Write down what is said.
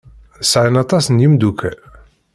Sɛan aṭas n yimeddukal.